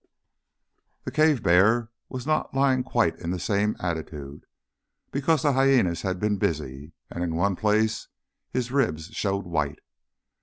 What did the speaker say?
The cave bear was not lying quite in the same attitude, because the hyænas had been busy, and in one place his ribs showed white.